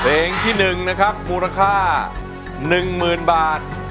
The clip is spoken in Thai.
เพลงที่๑นะครับมูลค่า๑๐๐๐บาท